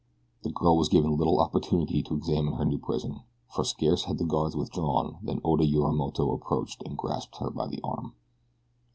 The girl was given little opportunity to examine her new prison, for scarce had the guards withdrawn than Oda Yorimoto approached and grasped her by the arm.